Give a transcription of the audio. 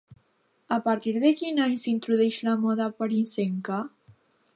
A partir de quin any s'introdueix la moda parisenca?